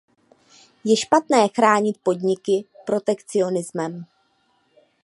Je špatné chránit podniky protekcionismem.